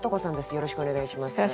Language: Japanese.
よろしくお願いします。